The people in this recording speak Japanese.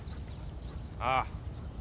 ああ。